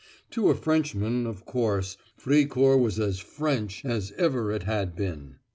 To a Frenchman, of course, Fricourt was as French as ever it had been.